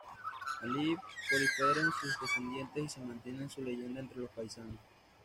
Allí proliferaron sus descendientes y se mantiene su leyenda entre los paisanos.